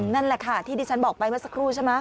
นั่นแหละค่ะที่ดิฉันบอกไปเมื่อสักครู่ใช่ไหม